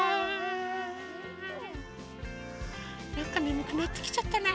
なんかねむくなってきちゃったな。